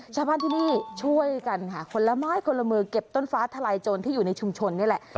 ชาวบ้านที่นี่ช่วยกันค่ะคนละไม้คนละมือเก็บต้นฟ้าทลายโจรที่อยู่ในชุมชนนี่แหละ